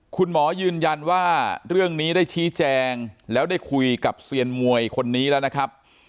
คุณหมอยืนยันว่าเรื่องนี้ได้ชี้แจงแล้วได้คุยกับเซียนมวยคนนี้แล้วนะครับ